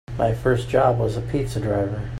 My first job was as a pizza driver.